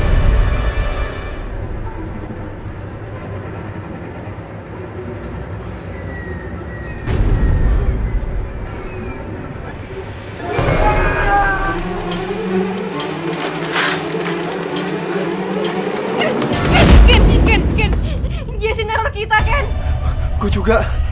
wicoba abrir perkembangan